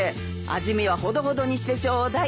味見はほどほどにしてちょうだい。